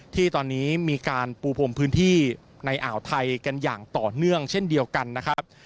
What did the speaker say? ที่ตอนนี้มีการปูพรมพื้นที่ในอ่าวไทยกันอย่างต่อเนื่องเช่นเดียวกันนะครับ